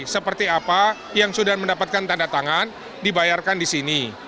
seperti apa yang sudah mendapatkan tanda tangan dibayarkan di sini